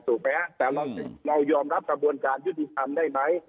ถูกไหมฮะแต่เรายอมรับกระบวนการยุติธรรมได้ไหม